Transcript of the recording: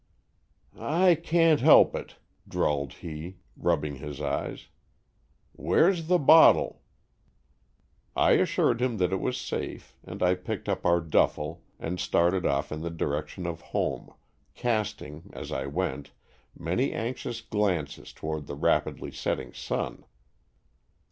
"I can't help it," drawled he, rubbing his eyes. ''Where's the bottle?" I assured him that it was safe, and I picked up our ''duffle" and started off in the direction of home, casting, as I went, many anxious glances toward the rapidly setting sun.